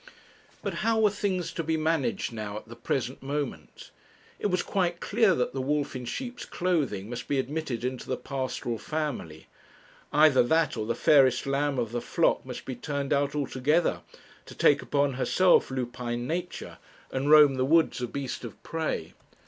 But how were things to be managed now at the present moment? It was quite clear that the wolf in sheep's clothing must be admitted into the pastoral family; either that, or the fairest lamb of the flock must be turned out altogether, to take upon herself lupine nature, and roam the woods a beast of prey.